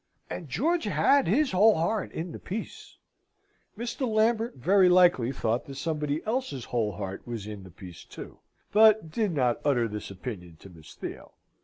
And George had his whole heart in the piece!" Mr. Lambert very likely thought that somebody else's whole heart was in the piece too, but did not utter this opinion to Miss Theo.